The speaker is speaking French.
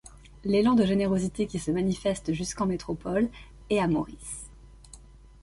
L'élan de générosité qui se manifeste jusqu'en métropole et à Maurice.